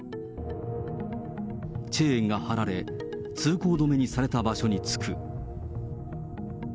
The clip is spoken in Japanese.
チェーンが張られ、通行止めにされた場所に着く。